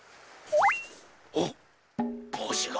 あっぼうしが。